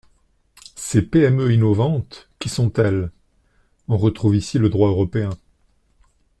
Ces PME innovantes, qui sont-elles ? On retrouve ici le droit européen.